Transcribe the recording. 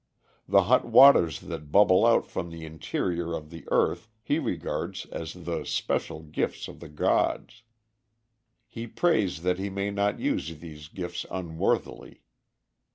The hot waters that bubble out from the interior of the earth he regards as the special gifts of the gods. He prays that he may not use these gifts unworthily.